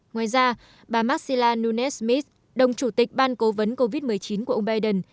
ngoài ra bà marcella nunes smith đồng chủ tịch ban cố vấn covid một mươi chín của ông biden